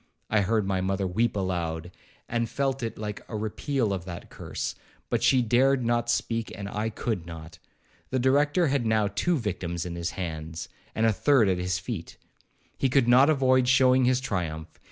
I heard my mother weep aloud, and felt it like a repeal of that curse; but she dared not speak, and I could not. The Director had now two victims in his hands, and the third at his feet. He could not avoid showing his triumph.